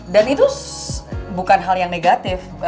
dan itu bukan hal yang negatif